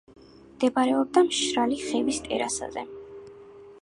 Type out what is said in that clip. მდებარეობდა მშრალი ხევის ტერასაზე.